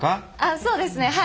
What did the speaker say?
そうですはい。